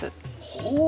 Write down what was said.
ほう。